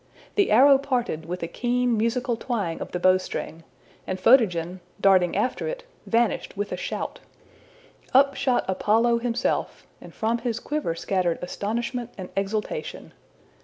The arrow parted with a keen musical twang of the bowstring, and Photogen, darting after it, vanished with a shout. Up shot Apollo himself, and from his quiver scattered astonishment and exultation.